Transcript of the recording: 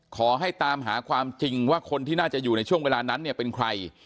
ขอให้ตามหาความจริงว่าคนที่น่าจะอยู่ในช่วงเวลานั้นเนี่ยเป็นใคร